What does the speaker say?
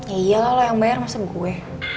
iya ya kalau yang bayar masa gue